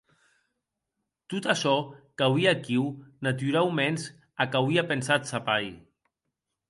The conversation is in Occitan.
Tot açò qu'auie aquiu, naturauments, ac auie pensat sa pair.